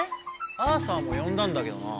アーサーもよんだんだけどな。